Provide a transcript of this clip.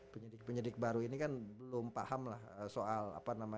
penyidik penyidik baru ini kan belum paham lah soal apa namanya itu